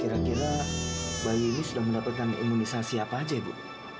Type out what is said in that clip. kira kira bayi ini sudah mendapatkan imunisasi apa aja ibu